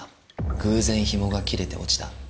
偶然ひもが切れて落ちた？